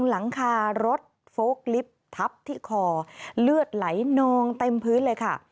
ลิฟท์ทับที่คอเลือดไหลนองเต็มพื้นเลยค่ะ